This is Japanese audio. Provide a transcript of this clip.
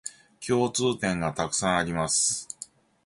共通点がたくさんあります